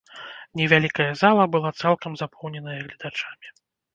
Невялікая зала была цалкам запоўненая гледачамі.